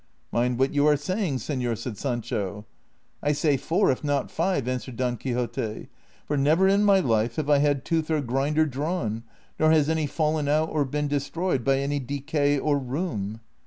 " Mind what you are saying, senor," said Sancho. " I say four, if not five," answered Don Quixote, " for never in my life have I had tooth or grinder drawn, nor has any fallen out or been destroyed by any decay or rheum."